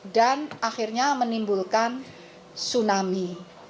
dan akhirnya menimbulkan tsunami